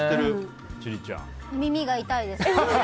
耳が痛いです。